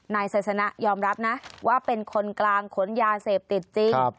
นายไซสนะยอมรับนะว่าเป็นคนกลางขนยาเสพติดจริง